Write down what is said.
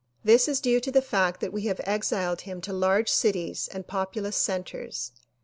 This is due to the fact that we have exiled him to large cities and populous centers.